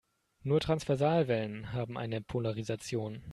Nur Transversalwellen haben eine Polarisation.